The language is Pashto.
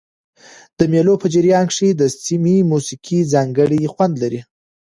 د مېلو په جریان کښي د سیمي موسیقي ځانګړی خوند لري.